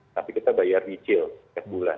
tapi kita bayar kecil set bulan